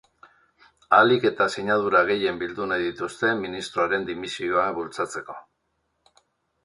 Ahalik eta sinadura gehien bildu nahi dituzte ministroaren dimisioa bultzatzeko.